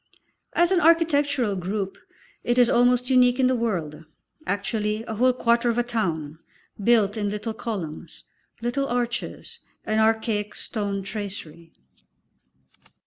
As an architectural group it is almost unique in the world, actually a whole quarter of a town, built in little columns, little arches and archaic stone tracery.